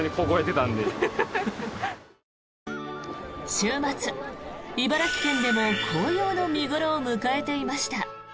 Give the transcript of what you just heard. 週末、茨城県でも紅葉の見頃を迎えていました。